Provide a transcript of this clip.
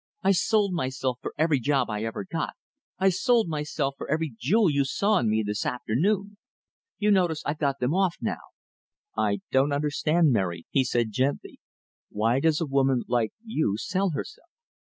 I've sold myself for every job I ever got; I sold myself for every jewel you saw on me this afternoon. You notice I've got them off now!" "I don't understand, Mary," he said, gently. "Why does a woman like you sell herself?"